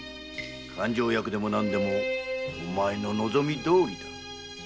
勘定役でも何でもお前の望みどおりだ